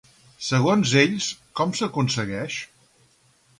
Segons ells, com s'aconsegueix?